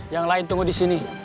yang lain tunggu disini